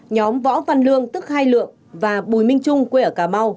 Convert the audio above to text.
nhóm võ văn lương tức hai lượng và bùi minh trung quê ở cà mau